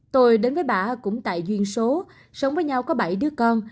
tôi đến với bà cũng tại duyên số sống với nhau có bảy đứa con